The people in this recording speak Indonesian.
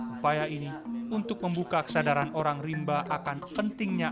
upaya ini untuk membuka kesadaran orang rimba akan pentingnya